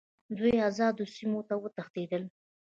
دوی آزادو سیمو ته وتښتېدل.